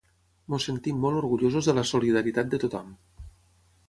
Ens sentim molt orgullosos de la solidaritat de tothom.